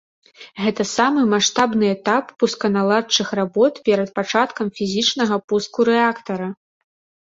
Гэта самы маштабны этап пусканаладачных работ перад пачаткам фізічнага пуску рэактара.